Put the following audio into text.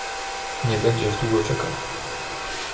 "Nie będziesz długo czekał."